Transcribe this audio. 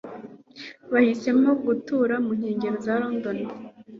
Bahisemo gutura mu nkengero za London.